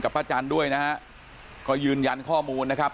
ป้าจันทร์ด้วยนะฮะก็ยืนยันข้อมูลนะครับ